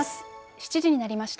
７時になりました。